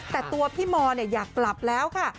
แต่ตัวพี่มอยากกลับแล้วค่ะ